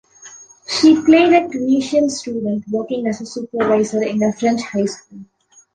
He played a Tunisian student working as a supervisor in a French high school.